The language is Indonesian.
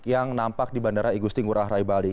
yang nampak di bandara igusti ngurah rai bali